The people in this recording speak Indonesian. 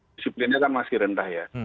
disiplinnya kan masih rendah ya